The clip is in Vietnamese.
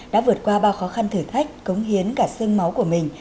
đã vượt qua bao khó khăn thử thách cống hiến cả xương máu của mình